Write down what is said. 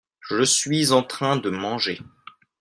je suis en train de manger.